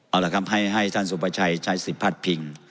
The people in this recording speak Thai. เอาล่ะครับให้ท่านสุภาชัยใช้๑๐พัดพิง